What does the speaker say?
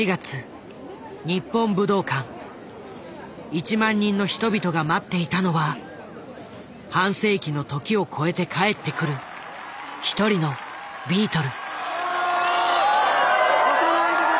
１万人の人々が待っていたのは半世紀の時を超えて帰ってくる１人のビートル。